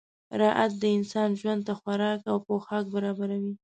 راعت د انسان ژوند ته خوراک او پوښاک برابروي.